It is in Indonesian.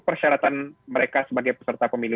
persyaratan mereka sebagai peserta pemilu